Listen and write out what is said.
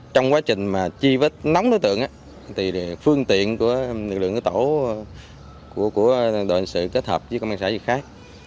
trong quá trình chi vết nóng tối tượng phương tiện của lực lượng tổ của đoàn sự kết hợp với công an xã gì khác